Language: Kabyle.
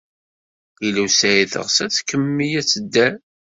Lila u Saɛid teɣs ad tkemmel ad tedder.